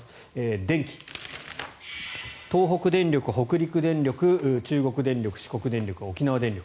電気、東北電力、北陸電力中国電力、四国電力、沖縄電力。